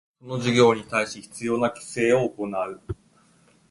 その事業に対し必要な規制を行う